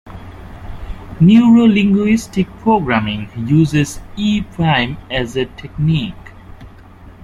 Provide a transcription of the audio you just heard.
Neuro-linguistic programming uses E-Prime as a technique.